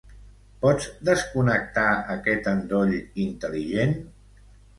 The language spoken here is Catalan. Pots desconnectar aquest endoll intel·ligent?